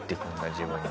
自分に。